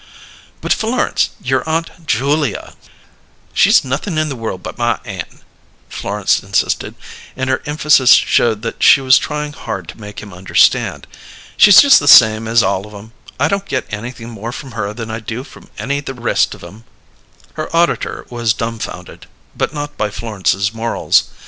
"But, Florence, your Aunt Julia " "She's nothin' in the world but my aunt," Florence insisted, and her emphasis showed that she was trying hard to make him understand. "She's just the same as all of 'em. I don't get anything more from her than I do from any the rest of 'em." Her auditor was dumfounded, but not by Florence's morals.